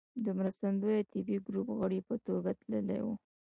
د مرستندويه طبي ګروپ غړي په توګه تللی و.